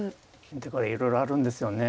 だからいろいろあるんですよね。